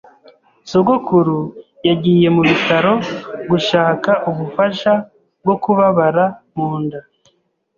Sogokuru yagiye mu bitaro gushaka ubufasha bwo kubabara mu nda.